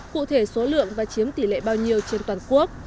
cụ thể số lượng và chiếm tỷ lệ bao nhiêu trên toàn quốc